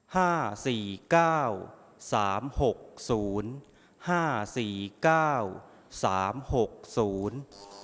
ห้าสี่เก้าสามหกศูนย์ห้าสี่เก้าสามหกศูนย์